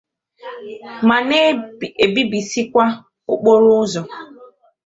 ma na-ebibìsikwa okporo ụzọ